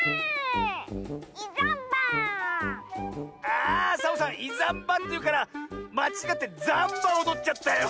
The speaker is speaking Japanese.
あサボさん「いざんば」っていうからまちがってザンバおどっちゃったよ。